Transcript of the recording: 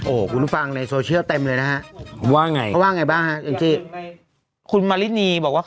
โอ้คุณฟังในโซเชียลเต็มเลยนะฮะว่าไงว่าไงบ้างฮะคุณมารินีบอกว่า